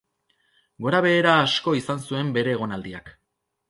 Gora-behera asko izan zuen bere egonaldiak.